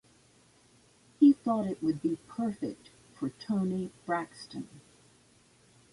He thought it would be perfect for Toni Braxton.